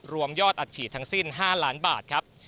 รวมยอดอัดฉีดทั้งสิ้น๕ล้านบาทครับ